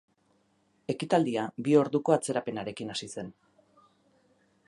Ekitaldia bi orduko atzerapenarekin hasi zen.